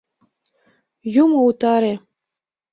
Юмо утаре...